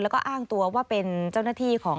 แล้วก็อ้างตัวว่าเป็นเจ้าหน้าที่ของ